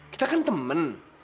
kita kan temen